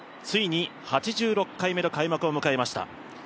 ついに８６回目の開幕を迎えました。